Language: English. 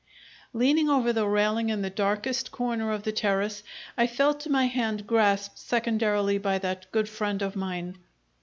Leaning over the railing in the darkest corner of the terrace, I felt my hand grasped secondarily by that good friend of mine.